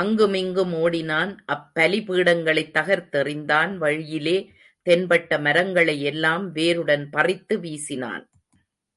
அங்குமிங்கும் ஓடினான் அப்பலிபீடங்களைத் தகர்த்தெறிந்தான் வழியிலே தென்பட்ட மரங்களையெல்லாம் வேருடன் பறித்து வீசினான்.